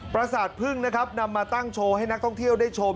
ประสาทพึ่งนะครับนำมาตั้งโชว์ให้นักท่องเที่ยวได้ชม